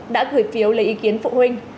đã gửi phiếu lấy ý kiến phụ huynh